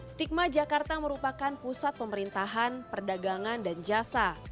stigma jakarta merupakan pusat pemerintahan perdagangan dan jasa